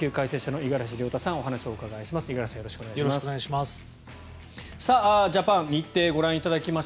五十嵐さんよろしくお願いします。